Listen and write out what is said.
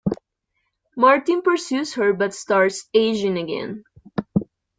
Martin pursues her but starts aging again.